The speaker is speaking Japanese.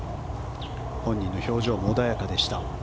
本人の表情も穏やかでした。